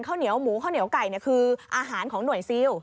เหนียวหมูข้าวเหนียวไก่คืออาหารของหน่วยซิล